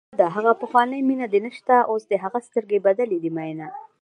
ټپه ده: ها پخوانۍ مینه دې نشته اوس دې هغه سترګې بدلې دي مینه